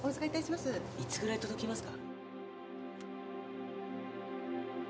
いつぐらい届きますか？